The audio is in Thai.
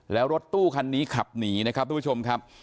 แล้วรถตู้คันนี้ขับหนีนะครับทุกผู้ชมครับ